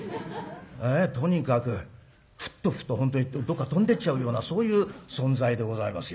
とにかくフッと吹くと本当にどっか飛んでっちゃうようなそういう存在でございますよ。